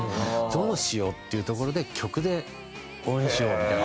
どうしよう？っていうところで曲で応援しようみたいな。